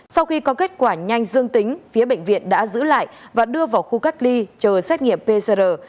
sau khi có kết quả nhanh dương tính phía bệnh viện đã giữ lại và đưa vào khu cách ly chờ xét nghiệm pcr